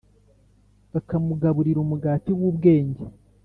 bakamugaburira umugati w’ubwenge,